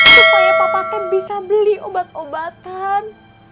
supaya papa teh bisa beli obat obatan